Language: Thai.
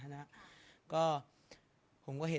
สงฆาตเจริญสงฆาตเจริญ